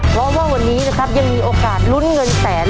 เพราะว่าวันนี้นะครับยังมีโอกาสลุ้นเงินแสน